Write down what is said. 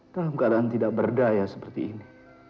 dalam keadaan tidak berdaya seperti ini